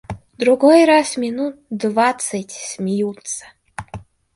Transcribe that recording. Другой раз минут двадцать смеются.